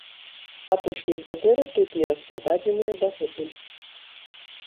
Апошнія кватэры тут не распрададзеныя дагэтуль.